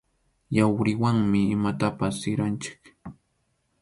Yawriwanmi imatapas siranchik.